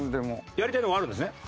やりたいのがあるんですね。